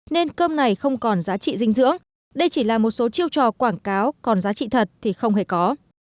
nên cơm này không còn giá trị dinh dưỡng đây chỉ là một số chiêu trò quảng cáo còn giá trị thật thì không hề có